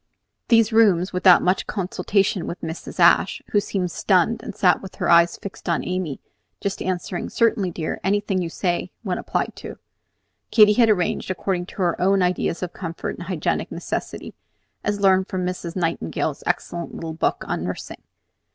These rooms, without much consultation with Mrs. Ashe, who seemed stunned and sat with her eyes fixed on Amy, just answering, "Certainly, dear, anything you say," when applied to, Katy had arranged according to her own ideas of comfort and hygienic necessity, as learned from Miss Nightingale's excellent little book on nursing.